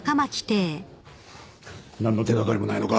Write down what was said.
何の手掛かりもないのか？